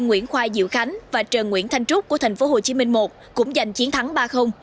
nguyễn khoa diệu khánh và trần nguyễn thanh trúc của tp hcm một cũng giành chiến thắng ba